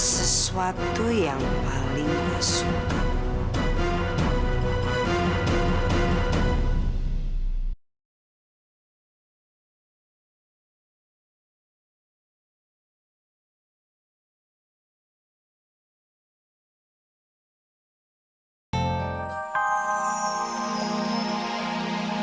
sesuatu yang paling disukai